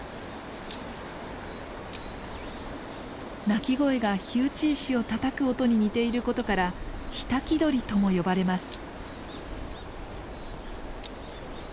鳴き声が火打ち石をたたく音に似ていることから火焚鳥とも呼ばれます。